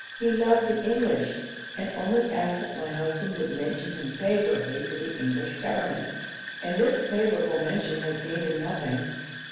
'He loved the English, and only asked that my husband would mention him favourably to the English Government' and this favourable mention has gained him nothing.